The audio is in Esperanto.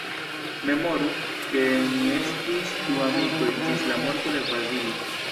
Memoru, ke ni estis du amikoj ĝis la morto de Vasili.